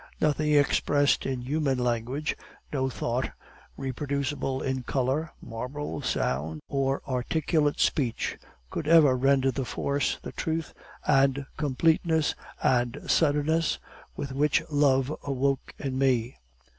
"Nothing expressed in human language, no thought reproducible in color, marble, sound, or articulate speech, could ever render the force, the truth, the completeness, the suddenness with which love awoke in me.